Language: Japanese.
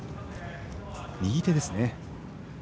右手ですね。